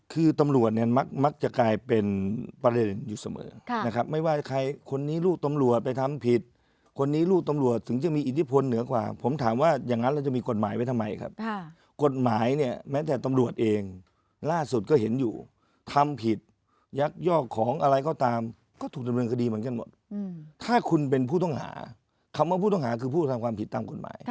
คือตำรวจเนี่ยมักจะกลายเป็นประเร็ญอยู่เสมอ